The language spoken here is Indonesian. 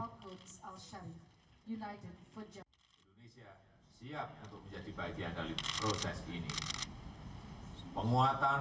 untuk menjadi bagian dari proses ini